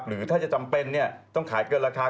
หรือถ้าจะจำเป็นต้องขายเกินราคา